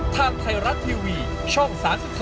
ทางไทยรัฐทีวีช่อง๓๒